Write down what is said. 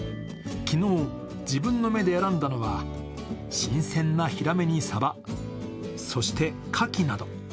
昨日、自分の目で選んだのは新鮮なヒラメにサバそして、かきなど。